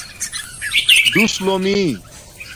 ڈݸس لومئ